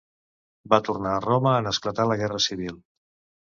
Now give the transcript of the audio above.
Va tornar a Roma en esclatar la guerra civil.